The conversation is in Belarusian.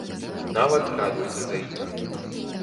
Нават радуецца за іх.